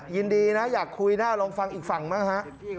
ยินดีนะอยากคุยนะลองฟังอีกฝั่งบ้างฮะ